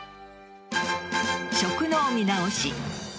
食の見直し